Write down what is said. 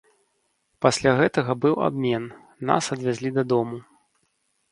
Пасля гэтага быў абмен, нас адвезлі дадому.